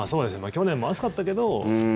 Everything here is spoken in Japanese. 去年も暑かったけど。